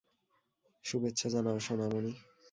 শুভেচ্ছা জানাও, সোনামণি।